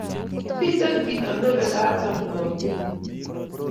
mito kito ne mekat amwoun nguni nguni